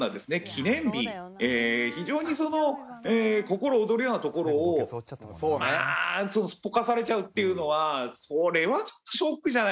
記念日非常に心躍るようなところをすっぽかされちゃうっていうのはそれはちょっとショックじゃないかな。